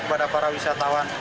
kepada para wisatawan